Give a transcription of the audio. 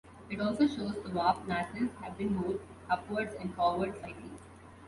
It also shows the warp nacelles have been moved upwards and forward slightly.